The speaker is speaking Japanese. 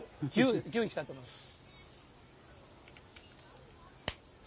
牛いきたいと思います。